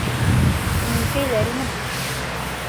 Мүкәйләр инем.